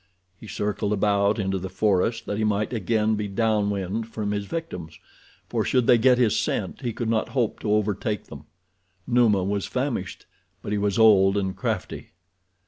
He circled about into the forest that he might again be down wind from his victims, for should they get his scent he could not hope to overtake them. Numa was famished; but he was old and crafty.